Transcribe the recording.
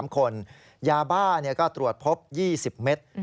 ๓คนยาบ้าก็ตรวจพบ๒๐เมตร